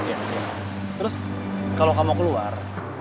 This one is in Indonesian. terus karna kamu kalau kamu keluar